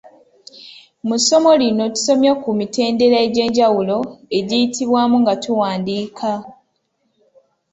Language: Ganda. Mu ssomo lino tusomye ku mitendera egy’enjawulo egiyitibwamu nga tuwaandiika.